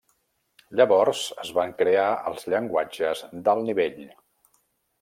Llavors, es van crear els llenguatges d'alt nivell.